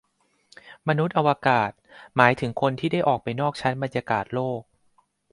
มนุษย์อวกาศ หมายถึงคนที่ได้ออกไปนอกชั้นบรรยากาศโลก